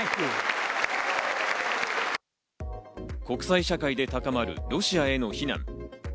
国際社会で高まるロシアへの非難。